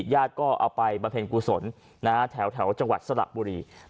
ญาติก็เอาไปบำเพ็ญกุศลแถวจังหวัดสระบุรี